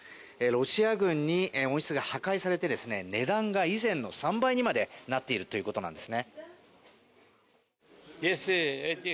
ロシア軍に温室が破壊されて値段が以前の３倍にまでなっているということなんです。